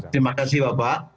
terima kasih bapak